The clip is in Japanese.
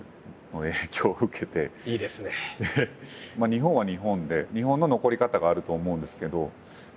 日本は日本で日本の残り方があると思うんですけど。